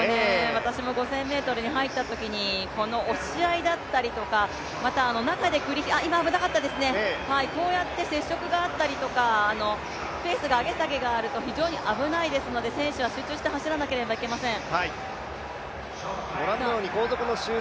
私も５０００ｍに入ったときに、この押し合いだったりとか、また中で、今危なかったですね、こうやって接触があったりですとか非常に危ないですので、選手は集中して走らなければ行けません。